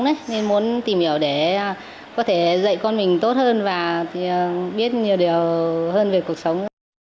nên muốn tìm hiểu để có thể dạy con mình tốt hơn và biết nhiều điều hơn về cuộc sống